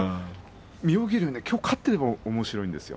妙義龍はきょう勝っていればおもしろかったんですよ。